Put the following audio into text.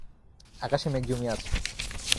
আকাশে মেঘ জমিয়া আছে।